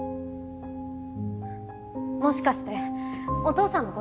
もしかしてお父さんのこと？